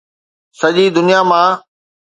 سڄي دنيا مان